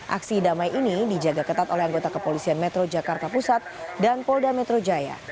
aksi damai ini dijaga ketat oleh anggota kepolisian metro jakarta pusat dan polda metro jaya